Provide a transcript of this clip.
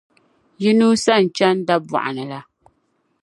Inusah n-chani Dabogni la.